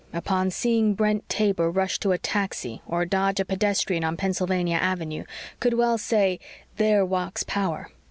upon seeing Brent Taber rush to a taxi or dodge a pedestrian on Pennsylvania Avenue, could well say, "There walks power."